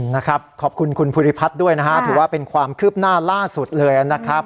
นะครับขอบคุณคุณภูริพัฒน์ด้วยนะฮะถือว่าเป็นความคืบหน้าล่าสุดเลยนะครับ